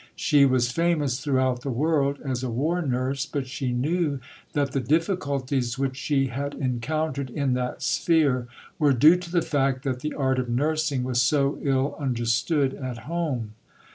She was famous throughout the world as a war nurse; but she knew that the difficulties which she had encountered in that sphere were due to the fact that the art of nursing was so ill understood at home.